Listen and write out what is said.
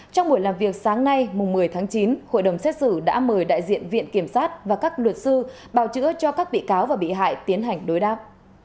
trong buổi làm việc sáng nay một mươi tháng chín hội đồng xét xử đã mời đại diện viện kiểm sát và các luật sư bào chữa cho các bị cáo và bị hại tiến hành đối đáp